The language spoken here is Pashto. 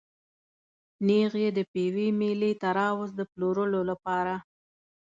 نېغ یې د پېوې مېلې ته راوست د پلورلو لپاره.